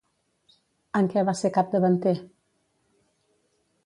En què va ser capdavanter?